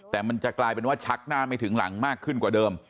แต่มันจะกลายเป็นว่าชักหน้าไม่ถึงหลังมากขึ้นกว่าเดิม